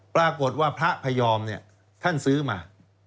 ปรากฏว่าพระพยอมเนี่ยท่านซื้อมา